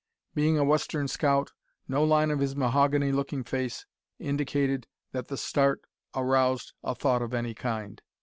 Being a western scout, no line of his mahogany looking face indicated that the start aroused a thought of any kind.